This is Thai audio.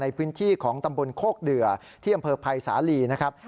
ในพื้นที่ของตำบลโคกเดือที่อำเภอภัยสาลีนะครับ